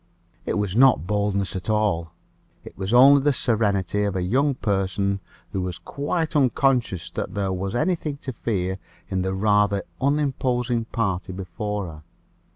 It was not boldness at all: it was only the serenity of a young person who was quite unconscious that there was any thing to fear in the rather unimposing party before her.